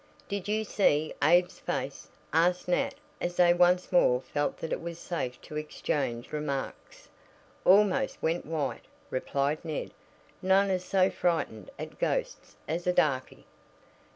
"Did you see Abe's face?" asked Nat as they once more felt that it was safe to exchange remarks. "Almost went white," replied Ned. "None is so frightened at ghosts as a darky."